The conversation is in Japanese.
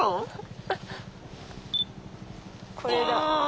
これだ。